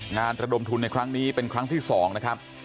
ระดมทุนในครั้งนี้เป็นครั้งที่๒นะครับ